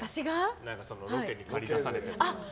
ロケに駆り出されたり。